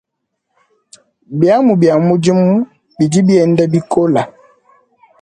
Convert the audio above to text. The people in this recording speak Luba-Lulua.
Biamu bia mudimu bidi bienda bikola.